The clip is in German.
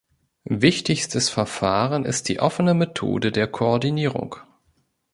Wichtigstes Verfahren ist die Offene Methode der Koordinierung.